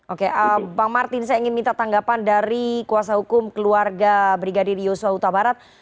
oke bang martin saya ingin minta tanggapan dari kuasa hukum keluarga brigadir yosua huta barat